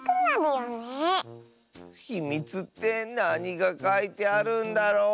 ひみつってなにがかいてあるんだろう？